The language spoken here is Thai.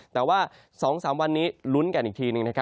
แต่ว่า๒๓วันนี้ลุ้นกันอีกทีหนึ่ง